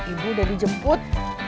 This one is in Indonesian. ibu udah dijemput